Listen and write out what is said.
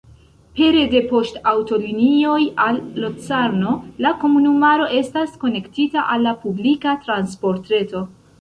Pere de poŝtaŭtolinioj al Locarno la komunumaro estas konektita al la publika transportreto.